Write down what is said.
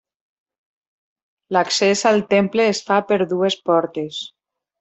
L'accés al temple es fa per dues portes.